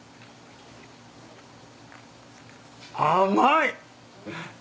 甘い！